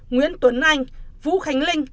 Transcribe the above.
nguyễn tuấn anh vũ khánh linh